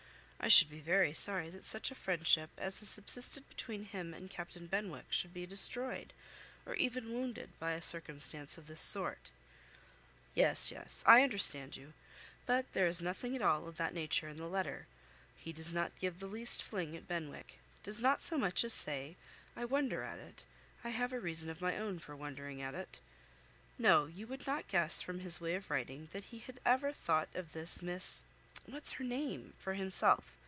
I should be very sorry that such a friendship as has subsisted between him and Captain Benwick should be destroyed, or even wounded, by a circumstance of this sort." "Yes, yes, I understand you. But there is nothing at all of that nature in the letter. He does not give the least fling at Benwick; does not so much as say, 'I wonder at it, I have a reason of my own for wondering at it.' No, you would not guess, from his way of writing, that he had ever thought of this Miss (what's her name?) for himself.